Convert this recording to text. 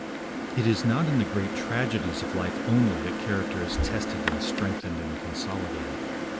It is not in the great tragedies of life only that character is tested and strengthened and consolidated.